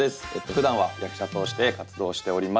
ふだんは役者として活動しております。